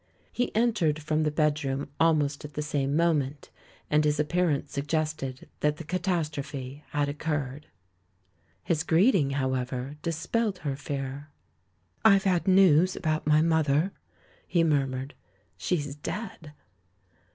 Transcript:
He entered from the bedroom almost at the same moment, and his appearance suggested that the catastrophe had occurred. His greeting, however, dispelled her fear. "I've had news about my mother," he mur mured; "she's dead."